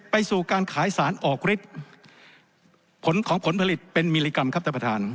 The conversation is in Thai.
ไปสู่การขายสารออกฤทธิ์ผลของผลผลิตเป็นมิลลิกรัมครับท่านประธาน